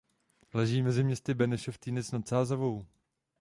Leží mezi městy Benešov a Týnec nad Sázavou.